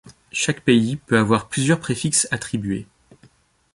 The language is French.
Chaque pays peut avoir plusieurs préfixes attribués.